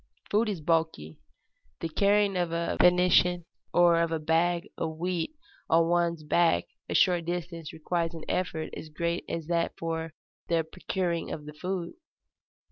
Food is bulky. The carrying of a venison or of a bag of wheat on one's back a short distance requires an effort as great as that for the procuring of the food.